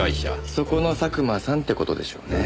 そこの佐久間さんって事でしょうね。